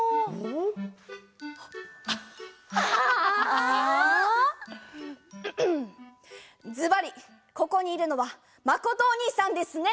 んんっずばりここにいるのはまことおにいさんですね！